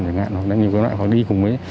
hoặc là đi cùng với